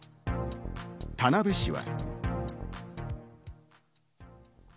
田辺市は。